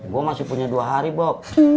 gue masih punya dua hari bok